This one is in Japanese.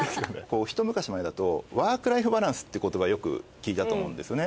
ひと昔前だとワークライフバランスって言葉よく聞いたと思うんですよね。